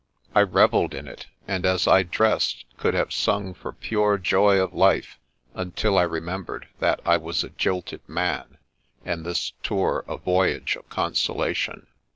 I revelled in it, and as I dressed could have sung for pure joy of life, until I remembered that I was a jilted man, and this tour a voyage of consolation.